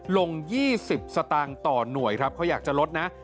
ลง๒๐สตางค์ต่อหน่วยครับเขาอยากจะลดนะ